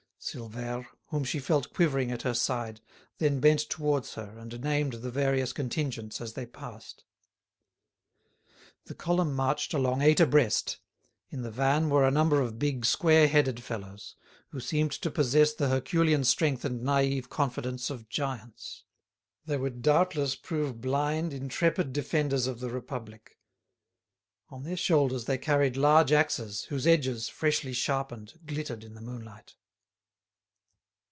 Silvère, whom she felt quivering at her side, then bent towards her and named the various contingents as they passed. The column marched along eight abreast. In the van were a number of big, square headed fellows, who seemed to possess the herculean strength and naïve confidence of giants. They would doubtless prove blind, intrepid defenders of the Republic. On their shoulders they carried large axes, whose edges, freshly sharpened, glittered in the moonlight.